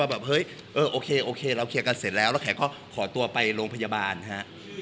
แบบเฮ้ยโอเคโอเคเราเคลียร์กันเสร็จแล้วแล้วแขกก็ขอตัวไปโรงพยาบาลฮะ